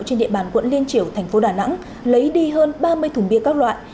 trên địa bàn quận liên triểu tp đà nẵng lấy đi hơn ba mươi thùng bia các loại